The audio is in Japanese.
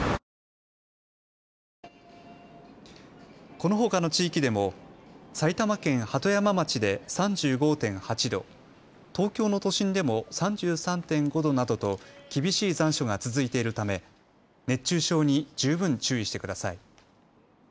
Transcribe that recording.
このほかの地域でも埼玉県鳩山町で３５．８度、東京の都心でも３３．５度などと厳しい残暑が続いているため熱中症に十分注意してください。